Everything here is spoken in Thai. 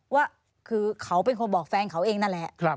ว่าคือเขาเป็นคนบอกแฟนเขาเองนั่นแหละ